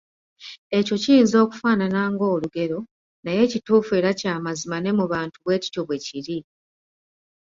Ekyo kiyinza okufaanana ng'olugero, naye kituufu era kya mazima ne mu bantu bwe kityo bwe kiri.